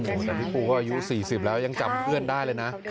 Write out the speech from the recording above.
แต่พี่ปูก็อายุ๔๐แล้วยังจำเพื่อนได้เลยนะ